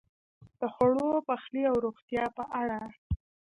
د خوړو، پخلی او روغتیا په اړه: